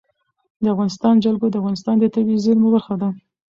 د افغانستان جلکو د افغانستان د طبیعي زیرمو برخه ده.